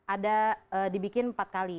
ada dibikin empat kali